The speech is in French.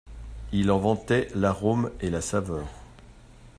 Il en vantait l'arôme et la saveur.